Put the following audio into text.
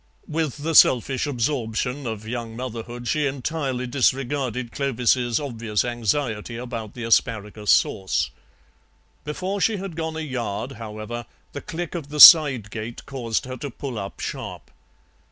With the selfish absorption of young motherhood she entirely disregarded Clovis's obvious anxiety about the asparagus sauce. Before she had gone a yard, however, the click of the side gate caused her to pull up sharp.